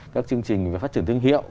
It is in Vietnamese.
các chương trình phát triển thương hiệu